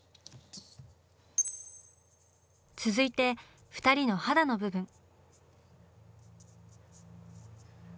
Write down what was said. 続いて２人の肌の部分。